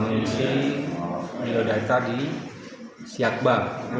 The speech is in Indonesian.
mengisi biodata di siakba